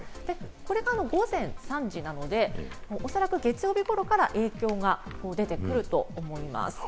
これが午前３時なので、おそらく月曜日頃から影響が出てくると思います。